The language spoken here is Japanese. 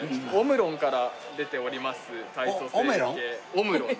オメロン？